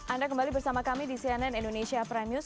anda kembali bersama kami di cnn indonesia prime news